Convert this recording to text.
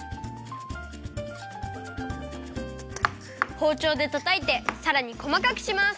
ほうちょうでたたいてさらにこまかくします。